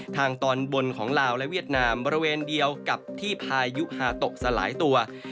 ทางตอนบนของลาวและเวียดนามบริเวณเดียวกับที่พายุฮาโตะสลายตัว